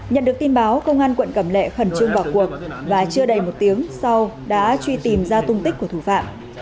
nhận được tin báo công an quận cầm lệ khẩn trung bỏ cuộc và chưa đầy một tiếng sau đã truy tìm ra tung tích của thủ phạm